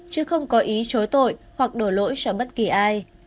chứ không có ý chối tội hoặc đổ lỗi cho bất kỳ ai